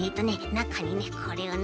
なかにこれをね